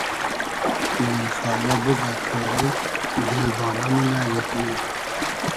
مېخایۂ بوگۂ تۉرې دیل بانۂ مونۂ یئگمې